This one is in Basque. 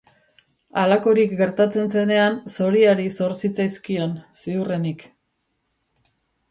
Halakorik gertatzen zenean, zoriari zor zitzaizkion ziurrenik.